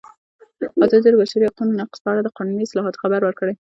ازادي راډیو د د بشري حقونو نقض په اړه د قانوني اصلاحاتو خبر ورکړی.